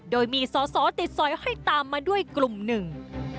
โดยมีสอสอติดสอยห้อยตามมาด้วยกลุ่มหนึ่ง